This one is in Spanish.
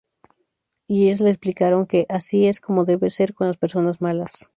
Y ellos les explicaron que: Así es como debe ser con las personas malas.